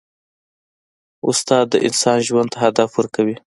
استاد د انسان ژوند ته هدف ورکوي.